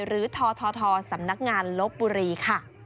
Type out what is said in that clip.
หรือทธธสำนักงานลดบุรีค่ะ